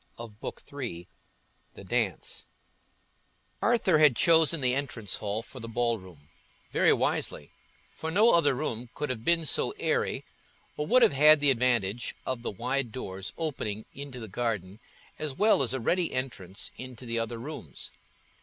Chapter XXVI The Dance Arthur had chosen the entrance hall for the ballroom: very wisely, for no other room could have been so airy, or would have had the advantage of the wide doors opening into the garden, as well as a ready entrance into the other rooms.